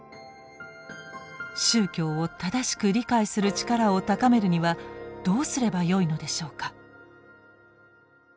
宗教を正しく理解する力を高めるにはどうすればよいのでしょうか。